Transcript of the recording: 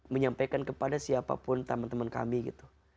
menyampaikan kepada siapapun teman teman kami gitu